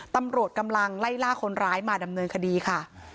ตำรวจกำลังไล่ล่าคนร้ายมาดำเนินคดีค่ะ